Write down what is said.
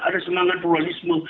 ada semangat pluralisme